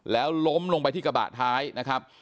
แล้วล้มลงไปที่กระบะท้ายนะครับ